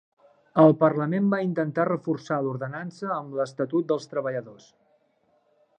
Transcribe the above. El parlament va intentar reforçar l'Ordenança amb l'Estatut dels Treballadors.